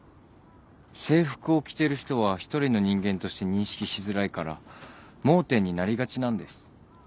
制服を着てる人は一人の人間として認識しづらいから盲点になりがちなんです。